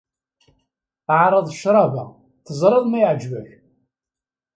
Ɛreḍ ccrab-a, teẓreḍ ma iɛǧeb-ak.